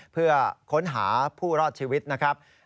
เพื่อค้นหาผู้รอดชีวิตนะครับ